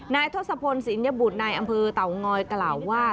ทศพลศิลยบุตรนายอำเภอเต่างอยกล่าวว่า